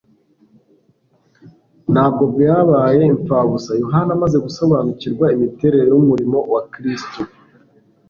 Ntabwo byabaye imfabusa. Yohana amaze gusobanukirwa imiterere y'umurimo wa Kristo,